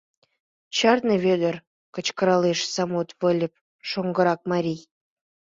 — Чарне, Вӧдыр! — кычкыралеш Самут Выльып, шоҥгырак марий.